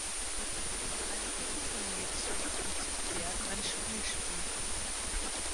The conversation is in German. Eine Gruppe von Mädchen, die zu Pferd ein Spiel spielt.